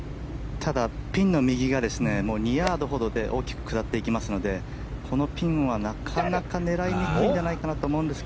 ただピンの右が２ヤードほどで大きく下っていきますのでこのピンはなかなか狙いにくいんじゃないかなと思うんですが。